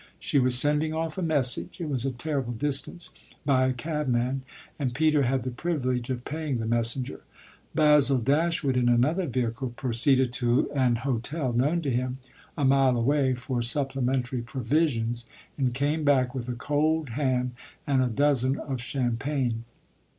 She was sending off a message it was a terrible distance by a cabman, and Peter had the privilege of paying the messenger. Basil Dashwood, in another vehicle, proceeded to an hotel known to him, a mile away, for supplementary provisions, and came back with a cold ham and a dozen of champagne.